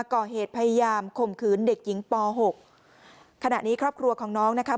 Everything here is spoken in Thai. คืนเด็กหญิงป๖ขณะนี้ครอบครัวของน้องนะคะ